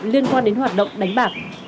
liên quan đến hoạt động đánh bạc